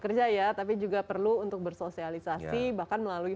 oke berarti bukan hanya bekerja ya tapi juga perlu untuk bersosialisasi bahkan melalui